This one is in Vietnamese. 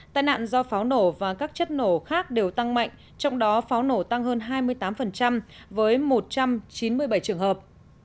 tai nạn do pháo nổ và các chất nổ khác đều tăng mạnh trong đó pháo nổ tăng hơn hai mươi tám với một trăm chín mươi bảy trường hợp